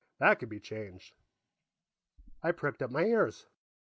That could be changed." I pricked up my ears.